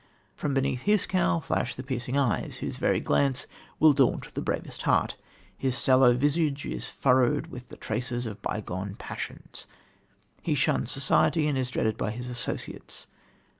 From beneath his cowl flash the piercing eyes, whose very glance will daunt the bravest heart; his sallow visage is furrowed with the traces of bygone passions; he shuns society, and is dreaded by his associates.